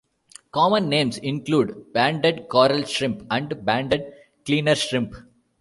Common names include banded coral shrimp and banded cleaner shrimp.